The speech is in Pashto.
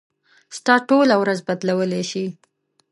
ستا ټوله ورځ بدلولی شي.